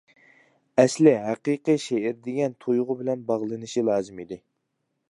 ئەسلى ھەقىقىي شېئىر دېگەن تۇيغۇ بىلەن باغلىنىشى لازىم ئىدى.